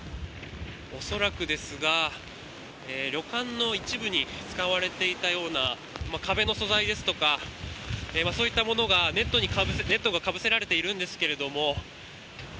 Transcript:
恐らくですが旅館の一部に使われていたような壁の素材ですとかそういったものがネットがかぶせられているんですけども。